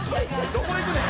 「どこ行くねん！」